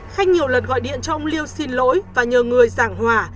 khanh nhiều lần gọi điện cho ông liêu xin lỗi và nhờ người giảng hòa